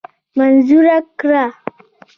منظوره کړه.